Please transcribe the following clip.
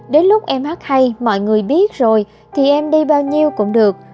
đến lúc em hát hay mọi người biết rồi thì em đi bao nhiêu cũng được